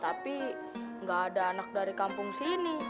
tapi nggak ada anak dari kampung sini